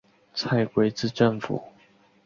蔡圭字正甫。